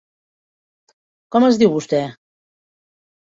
Com es diu, vostè?